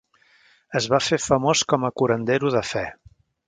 Es va fer famós com a curandero de fe.